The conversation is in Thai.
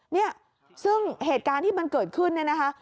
เนี่ยซึ่งเหตุการณ์ที่มันเกิดขึ้นเนี่ยนะคะ